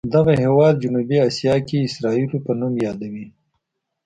دغه هېواد جنوبي اسیا کې اسرائیلو په نوم یادوي.